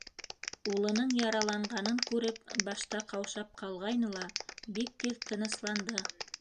Улының яраланғанын күреп, башта ҡаушап ҡалғайны ла, бик тиҙ тынысланды.